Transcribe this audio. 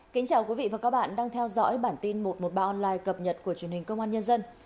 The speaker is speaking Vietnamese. kính chào quý vị và các bạn đang theo dõi bản tin một trăm một mươi ba online cập nhật của truyền hình công an nhân dân